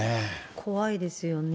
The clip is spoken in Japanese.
怖いですよね。